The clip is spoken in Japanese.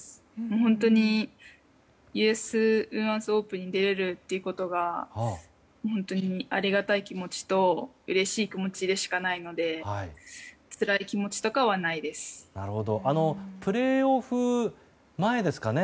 本当にＵＳオープンに出られるというのが本当にありがたい気持ちとうれしい気持ちしかないのでプレーオフ前ですかね